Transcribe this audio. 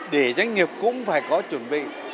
để doanh nghiệp cũng phải có chuẩn bị